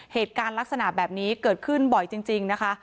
เหตุการณ์ลักษณะแบบนี้เกิดขึ้นบ่อยจริงนะคะ